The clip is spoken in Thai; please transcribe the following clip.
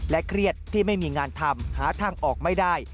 เครียดที่ไม่มีงานทำหาทางออกไม่ได้